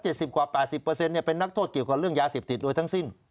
สิบกว่าแปดสิบเปอร์เซ็นต์เป็นนักโทษเกี่ยวกับเรื่องยาเสพติดโดยทั้งสิ้น